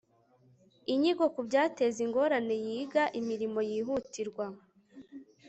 inyigo ku byateza ingorane yiga imirimo yihutirwa